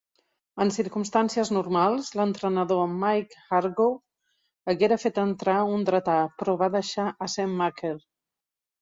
En circumstàncies normals, l'entrenador Mike Hargrove haguera fet entrar un dretà, però va deixar Assenmacher.